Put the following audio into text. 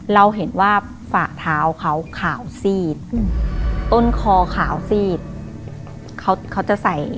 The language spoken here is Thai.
เราเห็นว่าฝ่าเท้าเขาขาวซีดต้นคอขาวซีดเขาเขาจะใส่